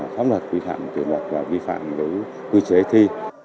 pháp luật vi phạm kiểm luật vi phạm với quy chế thi